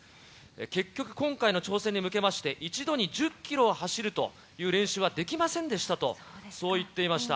結局、今回の挑戦に向けまして、一度に１０キロを走るという練習はできませんでしたと、そう言っていました。